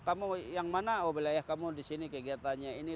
kamu yang mana oh wilayah kamu di sini kegiatannya ini